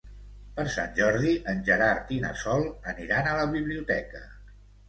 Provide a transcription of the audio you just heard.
Per Sant Jordi en Gerard i na Sol aniran a la biblioteca.